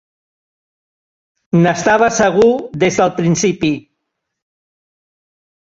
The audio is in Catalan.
N'estava segur des del principi.